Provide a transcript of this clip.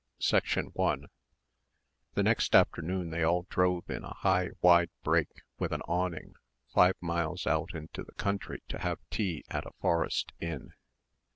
CHAPTER IX 1 The next afternoon they all drove in a high, wide brake with an awning, five miles out into the country to have tea at a forest inn.